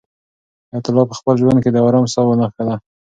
حیات الله په خپل ژوند کې د آرام ساه ونه کښله.